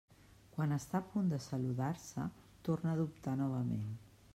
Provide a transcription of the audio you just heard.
Quan està a punt de saludar-se, torna a dubtar novament.